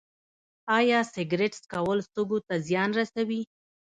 ایا سګرټ څکول سږو ته زیان رسوي